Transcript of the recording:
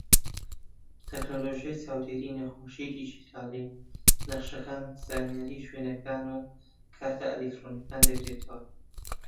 تەکنەلۆژیای چاودێری نەخۆشی دیجیتاڵی، نەخشەکان، زانیاری شوێنەکان و کارتە ئەلیکترۆنیەکان دەگرێتەوە.